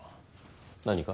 何か？